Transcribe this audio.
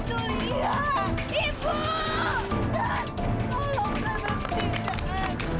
tolonglah berhenti ibu